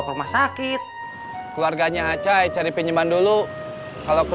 terakhir buat bayar ronggos angkot